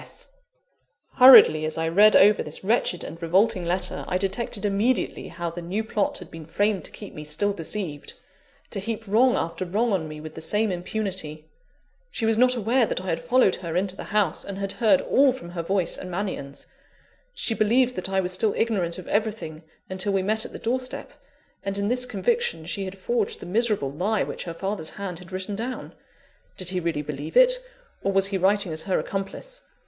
S. S." Hurriedly as I read over this wretched and revolting letter, I detected immediately how the new plot had been framed to keep me still deceived; to heap wrong after wrong on me with the same impunity. She was not aware that I had followed her into the house, and had heard all from her voice and Mannion's she believed that I was still ignorant of everything, until we met at the door step; and in this conviction she had forged the miserable lie which her father's hand had written down. Did he really believe it, or was he writing as her accomplice?